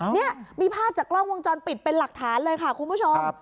นี่มีภาพจากกล้องวงจรปิดเป็นหลักฐานเลยค่ะคุณผู้ชม